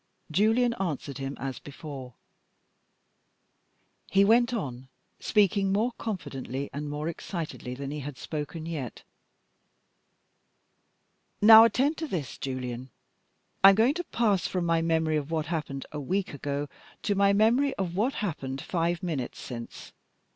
Julian answered him as before. He went on, speaking more confidently and more excitedly than he had spoken yet. "Now attend to this, Julian. I am going to pass from my memory of what happened a week ago to my memory of what happened five minutes since.